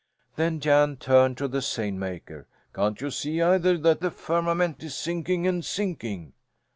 Then Jan turned to the seine maker. "Can't you see either that the firmament is sinking and sinking?"